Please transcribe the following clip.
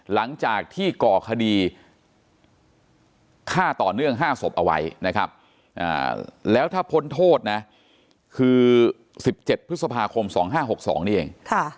หลังจากที่ก่อคดีฆ่าต่อเนื่อง๕ศพเอาไว้นะครับแล้วถ้าพ้นโทษนะคือ๑๗พฤษภาคม๒๕๖๒นี่เอง